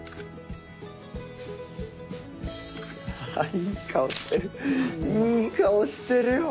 あっいい顔してる。